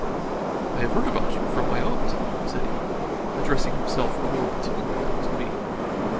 "I have heard about you from my aunt," said he, addressing himself more particularly to me.